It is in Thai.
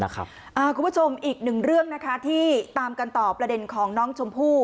คุณผู้ชมอีกหนึ่งเรื่องนะคะที่ตามกันต่อประเด็นของน้องชมพู่